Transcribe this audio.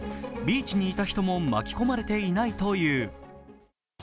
ビーチにいた人も巻き込まれていないという。